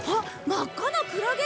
真っ赤なクラゲ！